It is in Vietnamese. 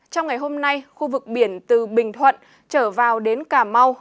trong ngày hôm nay khu vực biển từ bình thuận trở vào đến cà mau